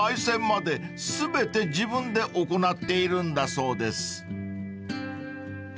煎まで全て自分で行っているんだそうです］